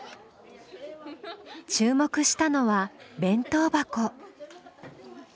注目したのは弁当箱。